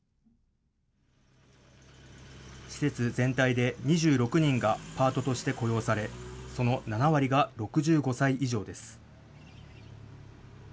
施設全体で２６人がパートとして雇用されその７割が６５歳以上です。